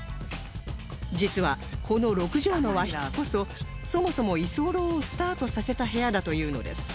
実はこの６畳の和室こそそもそも居候をスタートさせた部屋だというのです